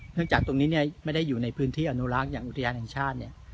จากตรงนี้เนี่ยไม่ได้อยู่ในพื้นที่อนุรักษ์อย่างอุทยานแห่งชาติเนี่ย